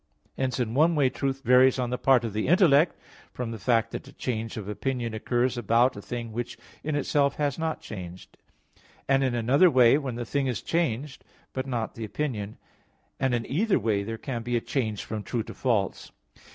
Hence in one way truth varies on the part of the intellect, from the fact that a change of opinion occurs about a thing which in itself has not changed, and in another way, when the thing is changed, but not the opinion; and in either way there can be a change from true to false.